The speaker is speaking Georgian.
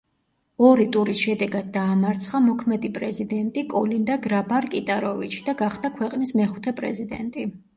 ორი ტურის შედეგად დაამარცხა მოქმედი პრეზიდენტი კოლინდა გრაბარ-კიტაროვიჩი და გახდა ქვეყნის მეხუთე პრეზიდენტი.